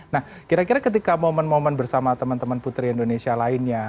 nah kira kira ketika momen momen bersama teman teman putri indonesia lainnya